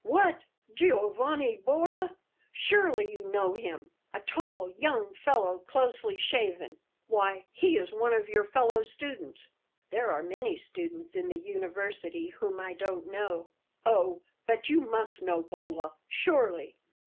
"What! Giovanni Bolla? Surely you know him a tall young fellow, closely shaven. Why, he is one of your fellow students." "There are many students in the university whom I don't know." "Oh, but you must know Bolla, surely!